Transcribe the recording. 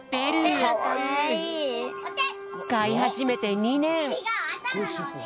かいはじめて２ねん。